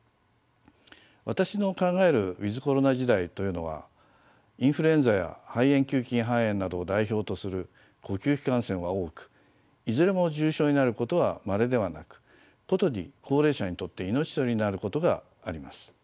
私の考えるｗｉｔｈコロナ時代というのはインフルエンザや肺炎球菌性肺炎などを代表とする呼吸器感染は多くいずれも重症になることはまれではなく殊に高齢者にとって命取りになることがあります。